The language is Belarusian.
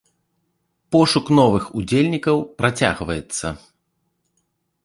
Пошук новых удзельнікаў працягваецца.